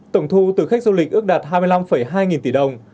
tổng thu từ khách du lịch ước đạt hai mươi năm hai nghìn tỷ đồng